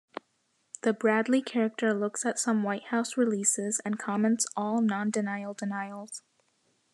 The Bradlee character looks at some White House releases and comments All non-denial denials.